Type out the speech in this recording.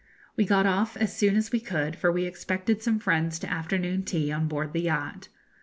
We got off as soon as we could, for we expected some friends to afternoon tea on board the yacht.